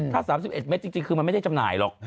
ถ้า๓๑เมตรจริงคือมันไม่ได้จำหน่ายหรอก